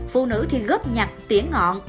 phụ nữ thì góp nhặt tiễn ngọn